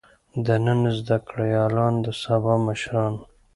د نن زده کړيالان د سبا مشران.